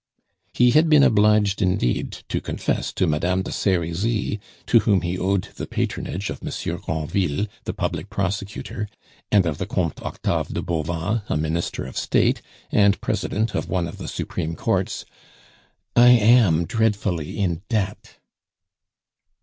He had been obliged indeed to confess to Madame de Serizy, to whom he owed the patronage of Monsieur Granville, the Public Prosecutor, and of the Comte Octave de Bauvan, a Minister of State, and President of one of the Supreme Courts: "I am dreadfully in debt."